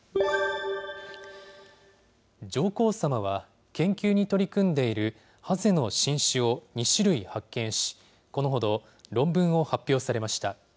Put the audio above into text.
上皇さまは、研究に取り組んでいるハゼの新種を、２種類発見し、このほど、論文を発表されました。